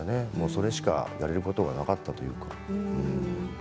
それしかやれることがなかったので。